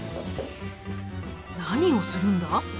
何をするんだ？